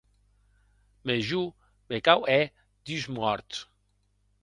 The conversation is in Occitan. Mès jo me cau hèr dus mòrts.